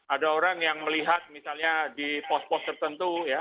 ada orang yang melihat misalnya di pos pos tertentu ya